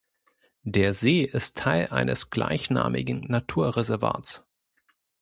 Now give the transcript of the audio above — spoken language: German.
Der See ist Teil eines gleichnamigen Naturreservats.